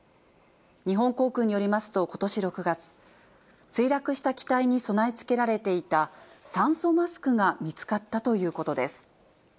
日本航空によりますと、ことし６月、墜落した機体に備え付けられていた酸素マスクが見つかったということです。